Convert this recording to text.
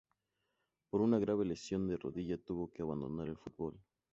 Por una grave lesión de rodilla tuvo que abandonar el fútbol.